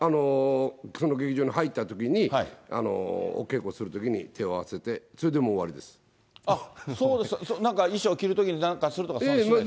その劇場に入ったときに、お稽古するときに手を合わせて、それであっ、なんか衣装着るときになんかするとかそういうのしません？